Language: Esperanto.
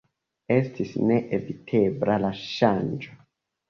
Estis ne evitebla la ŝanĝo.